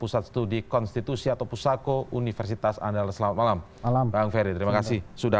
satu di konstitusi atau pusako universitas andalas selamat malam alam alam ferry terima kasih sudah